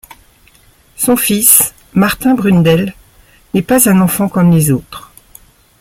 Son fils, Martin Brundle, n’est pas un enfant comme les autres.